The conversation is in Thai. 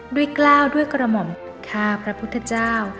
กล้าวด้วยกระหม่อมข้าพระพุทธเจ้า